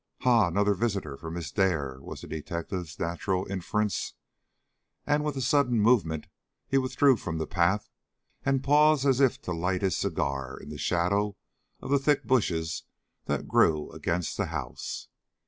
"Ha! another visitor for Miss Dare," was the detective's natural inference. And with a sudden movement he withdrew from the path, and paused as if to light his cigar in the shadow of the thick bushes that grew against the house.